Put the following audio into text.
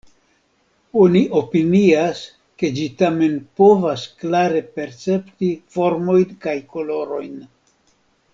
Oni opinias, ke ĝi tamen povas klare percepti formojn kaj kolorojn.